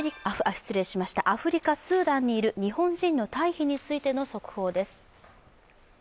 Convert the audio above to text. アフリカスーダンにいる日本人の退避についての速報です。